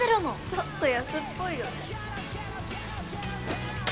ちょっと安っぽいよね。